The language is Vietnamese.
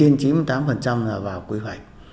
là vào quy hoạch